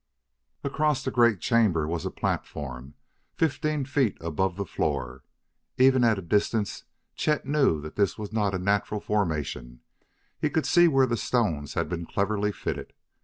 Across the great chamber was a platform fifteen feet above the floor. Even at a distance Chet knew this was not a natural formation; he could see where the stones had been cleverly fitted.